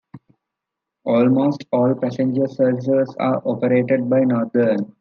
Almost all passenger services are operated by Northern.